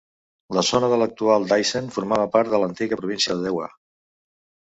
La zona de l'actual Daisen formava part de l'antiga província de Dewa.